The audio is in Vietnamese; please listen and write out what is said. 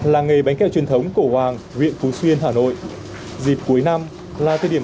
làng nghề bánh kẹo truyền thống cổ hoàng huyện phú xuyên hà nội dịp cuối năm là thời điểm